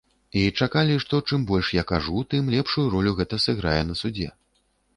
І чакалі, што, чым больш я кажу, тым лепшую ролю гэта сыграе на судзе.